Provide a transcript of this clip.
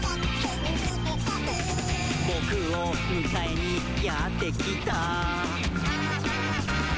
「ぼくをむかえにやってきた？」